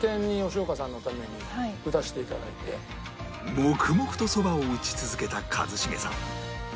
黙々とそばを打ち続けた一茂さん